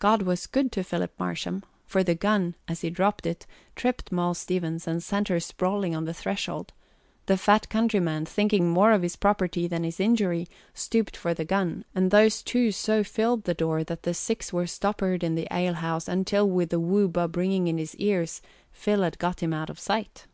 God was good to Philip Marsham, for the gun, as he dropped it, tripped Moll Stevens and sent her sprawling on the threshold; the fat countryman, thinking more of his property than his injury, stooped for the gun; and those two so filled the door that the six were stoppered in the alehouse until with the whoo bub ringing in his ears Phil had got him out of sight.